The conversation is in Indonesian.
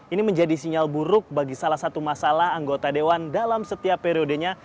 ini menjadi sinyal buruk bagi salah satu masalah anggota dewan dalam setiap periodenya